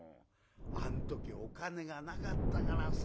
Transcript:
あん時お金がなかったからさ。